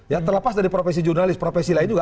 ya terlepas dari profesi jurnalis profesi lain juga